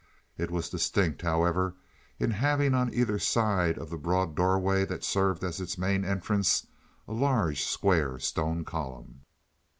It was distinct, however, in having on either side of the broad doorway that served as its main entrance, a large square stone column.